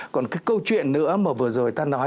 còn cái câu chuyện nữa mà vừa rồi ta nói